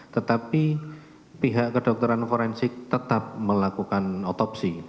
tetapi pihak kedokteran forensik tetap melakukan otopsi